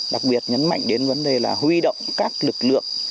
đặc biệt nhấn mạnh đến vấn đề là huy động các lực lượng